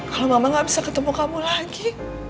kalau mama gak bisa ketemu kamu lagi